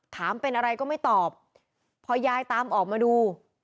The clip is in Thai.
ถามเป็นอะไรก็ไม่ตอบพอยายตามออกมาดู